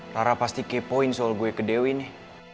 tara pasti kepoin soal gue ke dewi nih